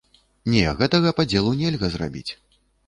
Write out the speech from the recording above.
Не, гэтага падзелу нельга зрабіць.